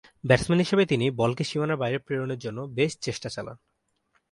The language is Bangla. ব্যাটসম্যান হিসেবে তিনি বলকে সীমানার বাইরে প্রেরণে জন্য বেশ চেষ্টা চালান।